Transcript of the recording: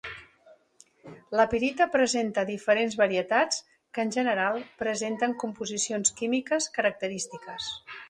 La pirita presenta diferents varietats, que, en general presenten composicions químiques característiques.